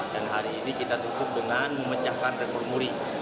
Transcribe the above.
dan hari ini kita tutup dengan memecahkan rekor muri